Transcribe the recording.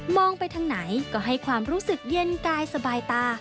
ไปทางไหนก็ให้ความรู้สึกเย็นกายสบายตา